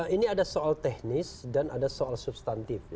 ini ada soal teknis dan ada soal substantif